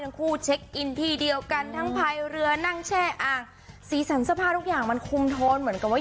คู่เช็คอินที่เดียวกันทั้งพายเรือนั่งแช่อ่างสีสันเสื้อผ้าทุกอย่างมันคุมโทนเหมือนกับว่า